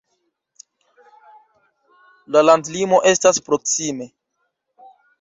La landlimo estas proksime.